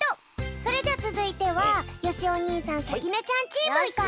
それじゃあつづいてはよしお兄さんさきねちゃんチームいこう！